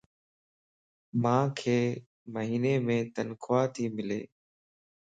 مانک مھينيم تنخواه تي ملَ